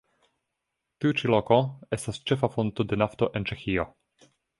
Tiu ĉi loko estas ĉefa fonto de nafto en Ĉeĥio.